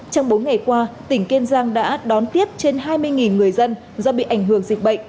trong bốn ngày qua tỉnh kiên giang đã đón tiếp trên hai mươi người dân do bị ảnh hưởng dịch bệnh